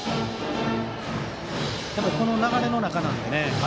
ただ、この流れの中なのでね。